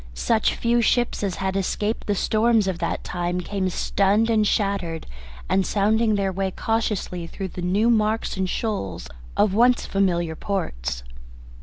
Such few ships as had escaped the storms of that time came stunned and shattered and sounding their way cautiously through the new marks and shoals of once familiar ports.